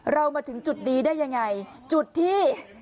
มาถึงจุดนี้ได้ยังไงจุดที่